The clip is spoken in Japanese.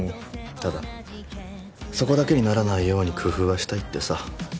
ただそこだけにならないように工夫はしたいってさ。